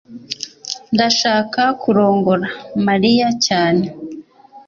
ndashaka kurongora mariya cyane